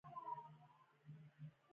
د نجونو تعلیم د ماشومانو مړینه کموي.